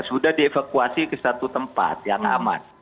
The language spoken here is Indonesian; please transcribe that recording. sudah dievakuasi ke satu tempat yang aman